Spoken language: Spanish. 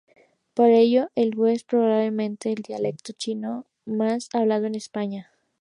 Por ello, el wu es probablemente el dialecto chino más hablado en España.